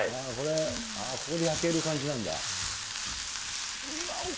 これで焼ける感じなんだ。